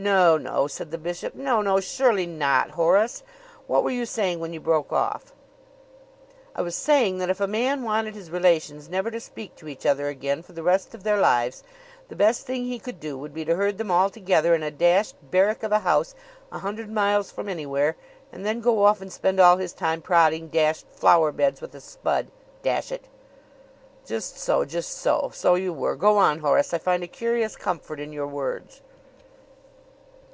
"No, no," said the bishop. "No, no! Surely not, Horace. What were you saying when you broke off?" "I was saying that if a man wanted his relations never to speak to each other again for the rest of their lives the best thing he could do would be to herd them all together in a dashed barrack of a house a hundred miles from anywhere, and then go off and spend all his time prodding dashed flower beds with a spud dash it!" "Just so; just so. So you were. Go on, Horace; I find a curious comfort in your words."